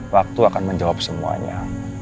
waktu akan menjawab semuanya